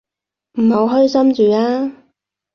唔好開心住啊